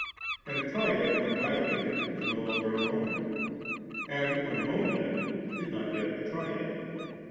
And a Triad when dilated is no longer a Monad, and when a Monad it is not yet a Triad.